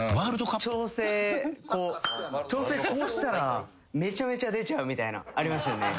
調整こうしたらめちゃめちゃ出ちゃうみたいなありますよね。